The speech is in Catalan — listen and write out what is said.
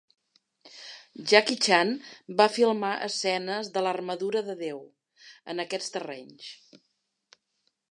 Jackie Chan va filmar escenes de l'"Armadura de Déu" en aquests terrenys.